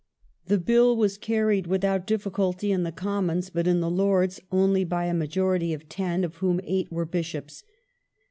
The Bill was carried without difficulty in the Commons, but in the Lords only by a majority of ten, of whom eight were Bishops.